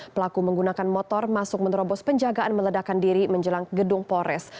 pelaku menggunakan motor masuk menerobos penjagaan meledakan diri menjelang gedung polres